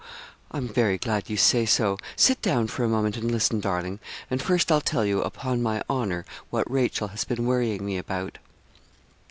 I'm very glad you say so. Sit down for a moment and listen, darling. And first I'll tell you, upon my honour, what Rachel has been worrying me about.'